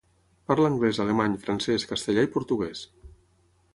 Parla anglès, alemany, francès, castellà i portuguès.